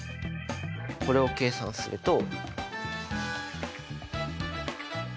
これを計算すると。